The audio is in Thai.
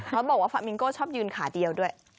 เขาบอกว่าฟามิงโก้ชอบยืนขาเดียวด้วย